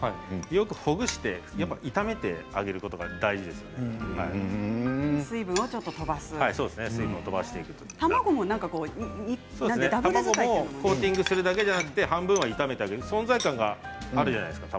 よくほぐして炒めてあげることが水分を飛ばすコーティングするだけではなくて半分は炒めてあげる存在感があるじゃないですか